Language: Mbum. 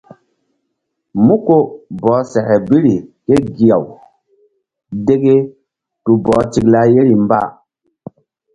Mú ko bɔh seke biri ké gi-aw deke tu bɔh tikla yeri mba.